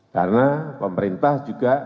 karena pemerintah juga